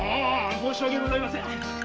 申し訳ございません。